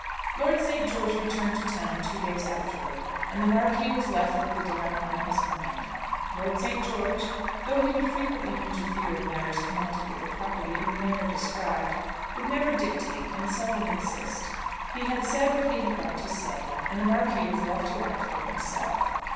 Lord Saint George returned to town two days afterwards, and the Marquis was left with the dilemma on his mind. Lord Saint George, though he would frequently interfere in matters connected with the property in the manner described, would never dictate and seldom insist. He had said what he had got to say, and the Marquis was left to act for himself.